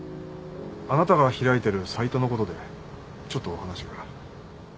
あなたが開いてるサイトのことでちょっとお話が。